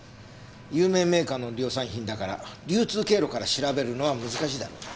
有名メーカーの量産品だから流通経路から調べるのは難しいだろうな。